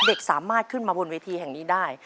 เด็กสามารถขึ้นมาบนเวทีแห่งนี้ได้